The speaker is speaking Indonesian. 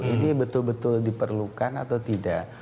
ini betul betul diperlukan atau tidak